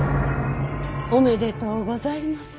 おめでとうございます。